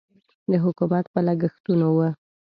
د حکومت په لګښتونو و.